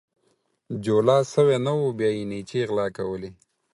جولا سوى نه وو ، بيا يې نيچې غلا کولې.